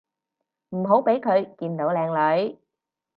唔好畀佢見到靚女